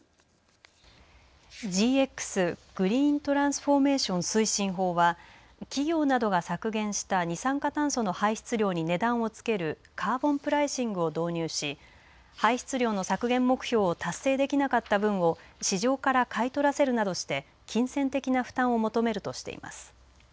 ＧＸ、グリーントランスフォーメーション推進法は企業などが削減した二酸化炭素の排出量に値段をつけるカーボンプライシングを導入し排出量の削減目標を達成できなかった分を市場から買い取らせるなどして金銭的な負担を求めるとしています。